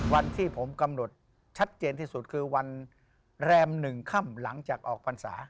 วันที่ผมกำหนดชัดเจนที่สุดคือวันแรม๑ค่ำหลังจากออกพรรษา